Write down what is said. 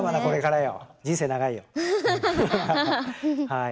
はい。